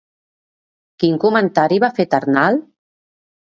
Quin comentari va fer Ternal?